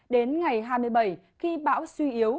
đến ngày hai mươi bảy khi bão suy yếu